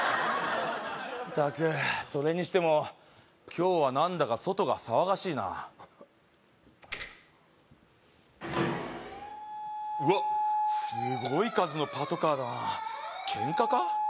ったくそれにしても今日は何だか外が騒がしいなうわっすごい数のパトカーだなケンカか？